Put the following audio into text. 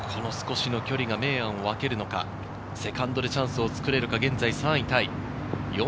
この少しの距離が明暗を分けるとか、セカンドでチャンスを作れるのか、現在３位タイ。